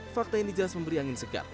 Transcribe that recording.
fakta yang dijelas memberi angin segar